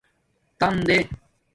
تَام دے